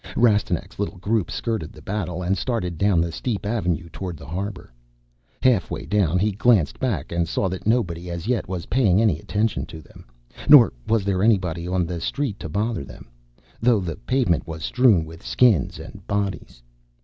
Rastignac's little group skirted the battle and started down the steep avenue toward the harbor. Halfway down he glanced back and saw that nobody as yet was paying any attention to them. Nor was there anybody on the street to bother them, though the pavement was strewn with Skins and bodies.